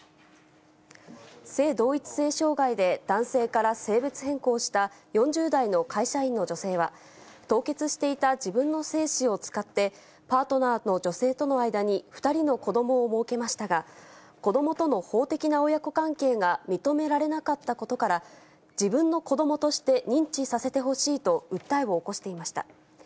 性同一性障害で男性から性別変更した４０代の会社員の女性は、凍結していた自分の精子を使って、パートナーの女性との間に２人の子どもをもうけましたが、子どもとの法的な親子関係が認められなかったことから、自分の子どもとして認知させてほしいと訴えを起こしていました。